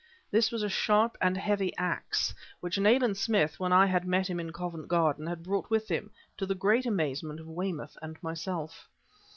This was a sharp and heavy axe, which Nayland Smith, when I had met him in Covent Garden, had brought with him, to the great amazement of Weymouth and myself.